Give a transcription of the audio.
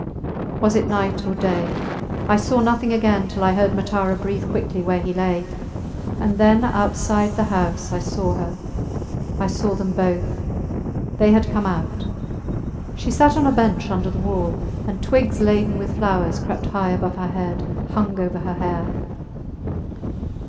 Was it night or day? I saw nothing again till I heard Matara breathe quickly where he lay, and then outside the house I saw her. I saw them both. They had come out. She sat on a bench under the wall, and twigs laden with flowers crept high above her head, hung over her hair.